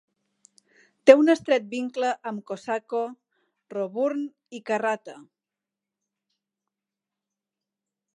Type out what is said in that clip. Té un estret vincle amb Cosaco, Roebourne i Karratha.